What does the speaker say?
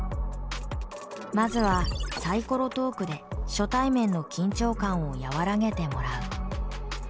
まずはサイコロトークで初対面の緊張感を和らげてもらう。